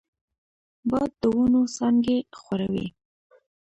باد د ونو څانګې ښوروي